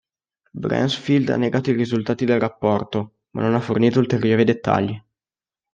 Bransfield ha negato i risultati del rapporto, ma non ha fornito ulteriori dettagli.